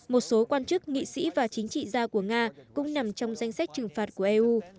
một số quan chức nghị sĩ và chính trị gia của nga cũng nằm trong danh sách trừng phạt của eu